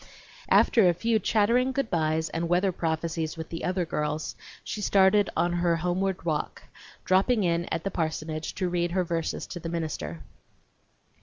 After a few chattering good bys and weather prophecies with the other girls, she started on her homeward walk, dropping in at the parsonage to read her verses to the minister.